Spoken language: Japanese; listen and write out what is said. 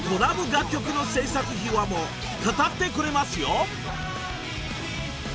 楽曲の制作秘話も語ってくれますよ］